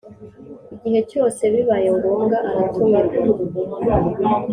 Igihe cyose bibaye ngombwa aratumirwa.